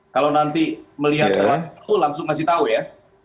kalau nanti melihat terang langsung kasih tahu ya